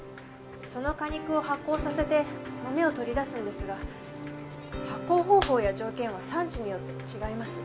その果肉を発酵させて豆を取り出すんですが発酵方法や条件は産地によって違います。